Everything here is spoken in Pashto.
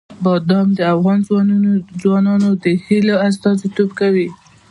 بادام د افغان ځوانانو د هیلو استازیتوب کوي.